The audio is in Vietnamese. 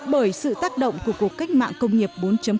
bởi sự tác động của cuộc cách mạng công nghiệp bốn